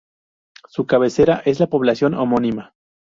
Su cabecera es la población homónima.